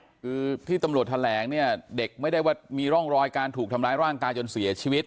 คือที่ตำรวจแถลงเนี่ยเด็กไม่ได้ว่ามีร่องรอยการถูกทำร้ายร่างกายจนเสียชีวิต